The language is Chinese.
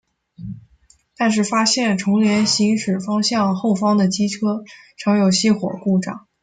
但是发现重联行驶方向后方的机车常有熄火故障。